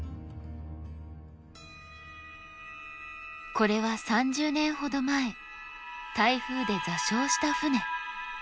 これは３０年ほど前台風で座礁した船。